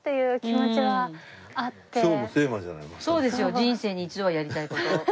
人生に一度はやりたい事。